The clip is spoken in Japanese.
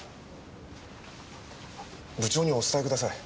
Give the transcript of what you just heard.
部長にお伝えください。